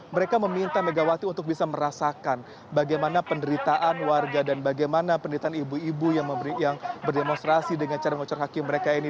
mereka meminta megawati untuk bisa merasakan bagaimana penderitaan warga dan bagaimana penderitaan ibu ibu yang berdemonstrasi dengan cara mengocok hakim mereka ini